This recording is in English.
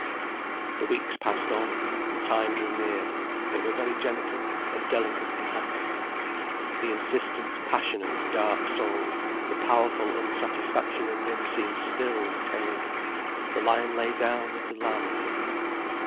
The weeks passed on, the time drew near, they were very gentle, and delicately happy. The insistent, passionate, dark soul, the powerful unsatisfaction in him seemed stilled and tamed, the lion lay down with the lamb in him.